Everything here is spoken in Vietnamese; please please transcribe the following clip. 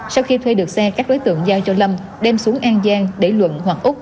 sau khi thuê được xe các đối tượng giao cho lâm đem xuống an giang để luận hoặc úc